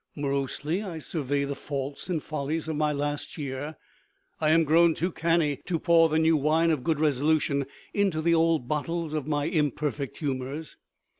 Morosely I survey the faults and follies of my last year. I am grown too canny to pour the new wine of good resolution into the old bottles of my imperfect humors.